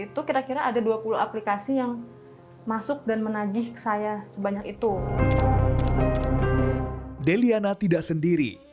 itu kira kira ada dua puluh aplikasi yang masuk dan menagih saya sebanyak itu deliana tidak sendiri